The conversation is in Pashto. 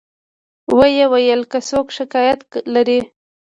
و یې ویل که څوک شکایت لري.